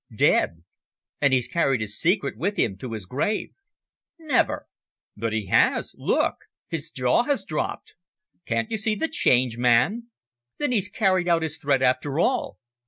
"Dead! And he's carried his secret with him to his grave!" "Never!" "But he has. Look! His jaw has dropped. Can't you see the change, man!" "Then he's carried out his threat after all!"